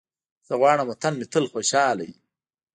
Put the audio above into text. زه غواړم وطن مې تل خوشحاله وي.